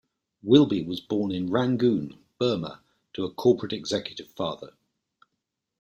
Wilby was born in Rangoon, Burma to a corporate executive father.